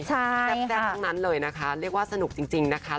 แซ่บทั้งนั้นเลยนะคะเรียกว่าสนุกจริงนะคะ